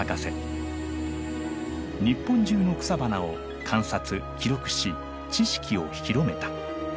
日本中の草花を観察記録し知識を広めた。